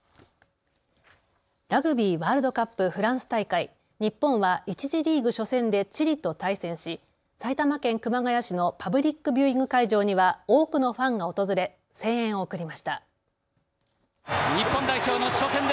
ラグビーワールドカップフランス大会、日本は１次リーグ初戦でチリと対戦し埼玉県熊谷市のパブリックビューイング会場には多くのファンが訪れ声援を送りました。